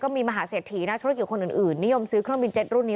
มีมหาเศรษฐีนักธุรกิจคนอื่นนิยมซื้อเครื่องบินเจ็ตรุ่นนี้